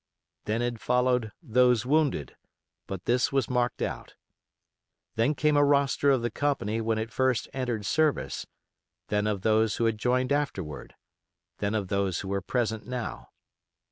Then had followed "Those wounded", but this was marked out. Then came a roster of the company when it first entered service; then of those who had joined afterward; then of those who were present now.